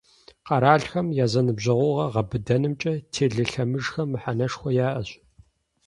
Къэралхэм я зэныбжьэгъугъэр гъэбыдэнымкӏэ телелъэмыжхэм мыхьэнэшхуэ яӏэщ.